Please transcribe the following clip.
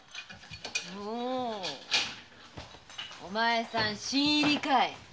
ほうお前さん新入りかい。